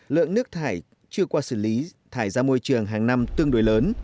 lượng nước thải chưa qua xử lý thải ra môi trường hàng năm tương đối lớn